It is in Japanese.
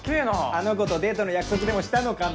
あの子とデートの約束でもしたのかな？